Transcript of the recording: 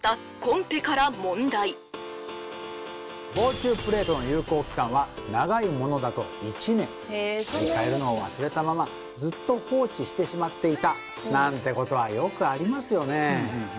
防虫プレートの有効期間は長いものだと１年取り替えるのを忘れたままずっと放置してしまっていたなんてことはよくありますよね